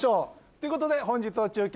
ということで本日の中継